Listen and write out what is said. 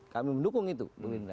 kami mendukung itu